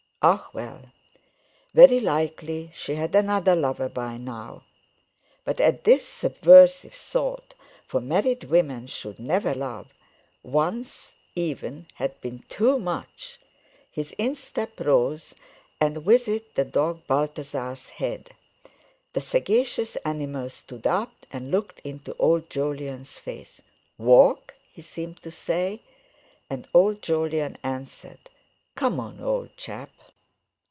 Ah, well! Very likely she had another lover by now. But at this subversive thought—for married women should never love: once, even, had been too much—his instep rose, and with it the dog Balthasar's head. The sagacious animal stood up and looked into old Jolyon's face. "Walk?" he seemed to say; and old Jolyon answered: "Come on, old chap!"